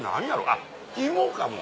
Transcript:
あっ芋かも。